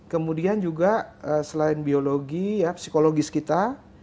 kemudian juga selain biologi psikologis kita